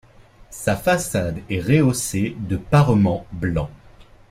Sa façade est rehaussée de parements blancs.